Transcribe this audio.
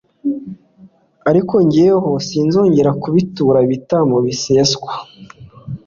Ariko jyeweho sinzongera kubitura ibitambo biseswa